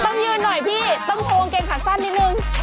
ต้องยืนหน่อยพี่ต้องโพงเกมขัดสั้นนิดหนึ่ง